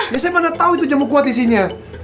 ya saya mana tau itu jamu kuat isinya